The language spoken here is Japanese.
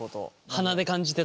鼻で感じてた。